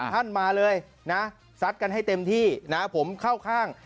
ท่านมาเลยนะซัดกันให้เต็มที่นะผมเข้าข้าง